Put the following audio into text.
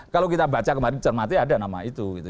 kalau kita baca kemarin cermati ada nama itu